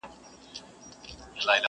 یا به نن یا به سباوي زه ورځمه؛